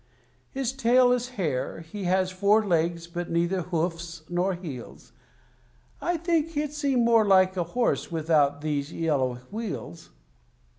His tail is hair, he has four legs, but neither hoofs nor heels; I think he'd seem more like a horse without these yellow wheels.